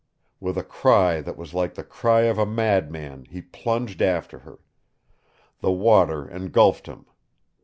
With a cry that was like the cry of a madman he plunged after her. The water engulfed him.